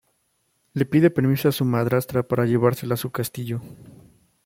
Le pide permiso a su madrastra para llevársela a su castillo.